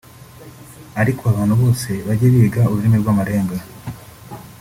ariko abantu bose bajye biga ururimi rw’amarenga